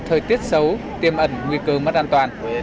thời tiết xấu tiêm ẩn nguy cơ mất an toàn